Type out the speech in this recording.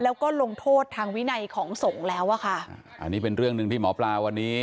แล้วก็ลงโทษทางวินัยของสงฆ์แล้วอ่ะค่ะอันนี้เป็นเรื่องหนึ่งที่หมอปลาวันนี้